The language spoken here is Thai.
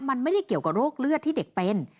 มันไม่ได้เกี่ยวกับโรคเลือดที่เด็กเป็น